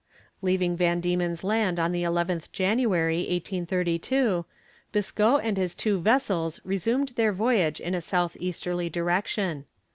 Leaving Van Diemen's Land on the 11th January, 1832, Biscoe and his two vessels resumed their voyage in a south easterly direction.